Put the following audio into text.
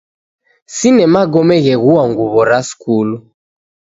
Sine magome gheghua nguw'o ra skulu.